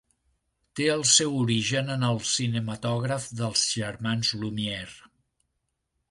Té el seu origen en el cinematògraf dels germans Lumière.